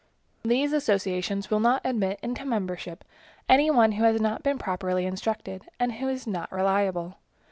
These associations will not admit into membership any one who has not been properly instructed, and who is not reliable.